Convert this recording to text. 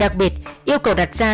đặc biệt yêu cầu đặt tài sản